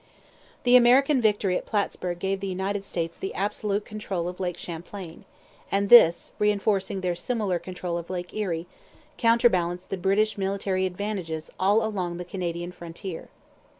The American victory at Plattsburg gave the United States the absolute control of Lake Champlain; and this, reinforcing their similar control of Lake Erie, counterbalanced the British military advantages all along the Canadian frontier.